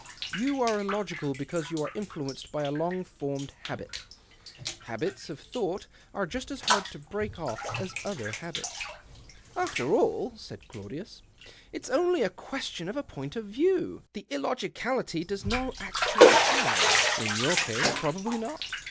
You are illogical because you are influenced by a lono formed habit. Haljits of thouo ht are just as hard to break off as other habits." " After all," said Claudius, " it's only a question of a point of view^. The illogicality does no actual harm." "' In your case possibly not.